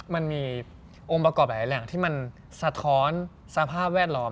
มันมีองค์ประกอบหลายแหล่งที่มันสะท้อนสภาพแวดล้อม